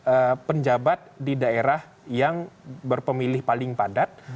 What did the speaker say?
ada penjabat di daerah yang berpemilih paling padat